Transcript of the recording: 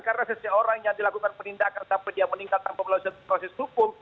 karena seseorang yang dilakukan penindakan sampai dia meningkat tanpa melalui proses hukum